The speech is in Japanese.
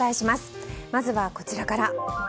まずは、こちらから。